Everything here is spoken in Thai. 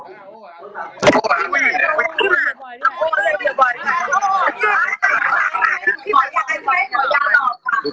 จะมาหาอีกรอบ